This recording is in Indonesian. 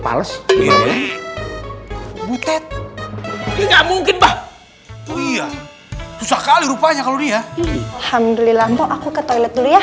pales butet nggak mungkin pak iya sekali rupanya kalau dia alhamdulillah aku ke toilet dulu ya